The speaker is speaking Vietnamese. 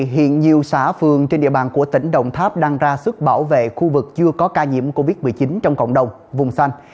hiện nhiều xã phường trên địa bàn của tỉnh đồng tháp đang ra sức bảo vệ khu vực chưa có ca nhiễm covid một mươi chín trong cộng đồng vùng xanh